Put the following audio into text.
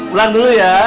ulang dulu ya